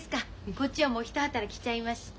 こっちはもう一働きしちゃいました。